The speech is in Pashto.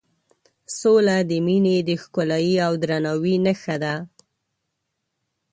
سوله د مینې د ښکلایې او درناوي نښه ده.